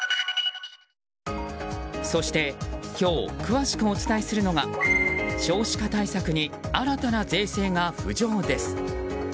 そして、今日詳しくお伝えするのが少子化対策に新たな税制が浮上です。